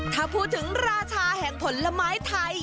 ถ้าพูดถึงราชาแห่งผลไม้ไทย